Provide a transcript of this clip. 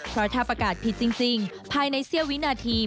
เพราะถ้าประกาศผิดจริงภายในเสี้ยววินาที